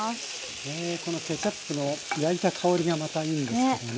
ねえこのケチャップの焼いた香りがまたいいんですかね。